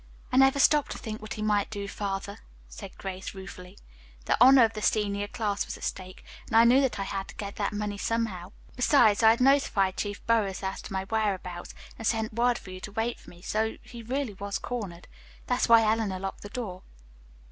"I never stopped to think what he might do, father," said Grace ruefully. "The honor of the senior class was at stake, and I knew that I had to get that money somehow. Besides, I had notified Chief Burroughs as to my whereabouts, and sent word for you to wait for me, so he was really cornered, that's why Eleanor locked the door."